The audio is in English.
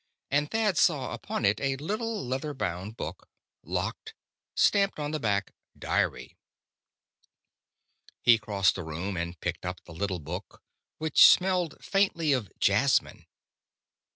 And Thad saw upon it a little leather bound book, locked, stamped on the back "Diary." He crossed the room and picked up the little book, which smelled faintly of jasmine.